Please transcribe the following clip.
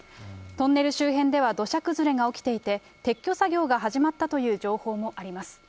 トンネル周辺では土砂崩れが起きていて、撤去作業が始まったという情報もあります。